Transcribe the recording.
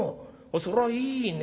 そりゃいいね。